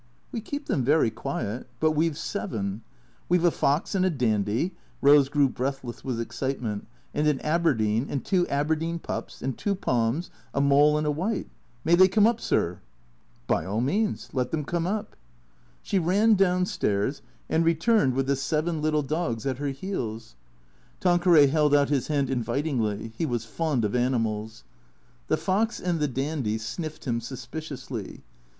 " We keep them very quiet ; but we 've seven. We 've a fox and a dandy" (Rose grew breathless with excitement), "and an Aberdeen, and two Aberdeen pups, and two Poms, a mole and a Mdiite. May they come up, sir ?"" By all means let them come up." She ran down stairs, and returned with the seven little dogs 32 THECREATORS at her heels. Tanqueray held out his hand invitingly. (He was fond of animals.) The fox and the dandy sniffed him sus piciously.